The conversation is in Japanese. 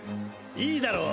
いいだろう？